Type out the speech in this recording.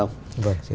vâng xin cảm ơn